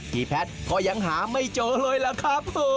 พี่แพทย์ก็ยังหาไม่เจอเลยล่ะครับ